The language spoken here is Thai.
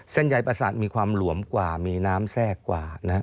เส้นใยประสาทมีความหลวมกว่ามีน้ำแทรกกว่านะฮะ